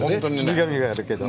苦みがあるけど。